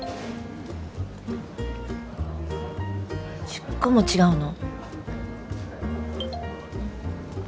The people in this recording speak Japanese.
１０個も違うの？